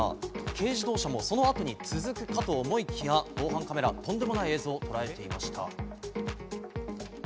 軽自動車もそのあとに続くかと思いきや、防犯カメラ、とんでもない映像をとらえていました。